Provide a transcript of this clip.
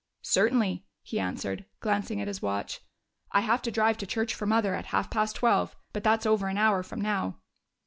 "Certainly," he answered, glancing at his watch. "I have to drive to church for Mother at half past twelve. But that's over an hour from now."